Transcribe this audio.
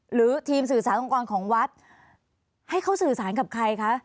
หรือทีมสื่อสารองค์กรของวัดให้เขาสื่อสารกับใครคะ